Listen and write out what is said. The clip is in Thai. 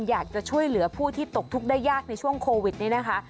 อยากจะช่วยเหลือผู้ที่ตกทุกข์ได้ยากในช่วงโควิดนี้นะคะ